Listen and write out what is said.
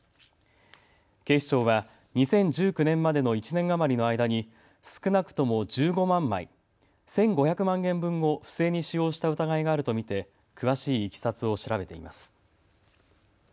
警視庁は２０１９年までの１年余りの間に少なくとも１５万枚、１５００万円分を不正に使用した疑いがあると見て詳しいいきさつを調べています。